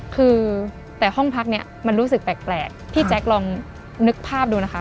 คือแต่ห้องพักเนี่ยมันรู้สึกแปลกพี่แจ๊คลองนึกภาพดูนะคะ